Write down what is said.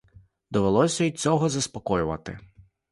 Довелося й цього заспокоювати.